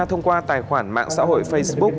thông qua tài khoản mạng xã hội facebook